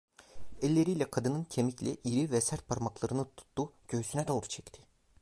Elleriyle kadının kemikli, iri ve sert parmaklarını tuttu, göğsüne doğru çekti.